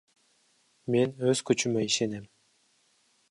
Мен өз күчүмө ишенем.